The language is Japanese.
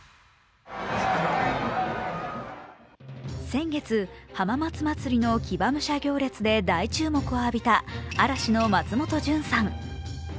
先月、浜松まつりの騎馬武者行列で大注目を浴びた嵐の松本潤さん。